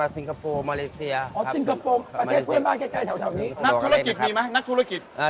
นักธุรกิจมีมั้ยนักธุรกิจ